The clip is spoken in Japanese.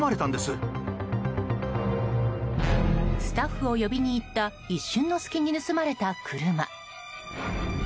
スタッフを呼びに行った一瞬の隙に盗まれた車。